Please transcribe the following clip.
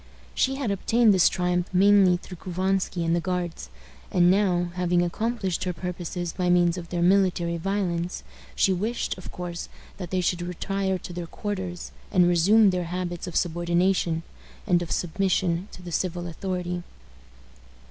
She had obtained this triumph mainly through Couvansky and the Guards; and now, having accomplished her purposes by means of their military violence, she wished, of course, that they should retire to their quarters, and resume their habits of subordination, and of submission to the civil authority.